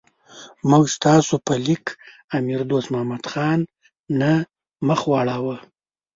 موږ ستاسو په لیک امیر دوست محمد خان نه مخ واړاو.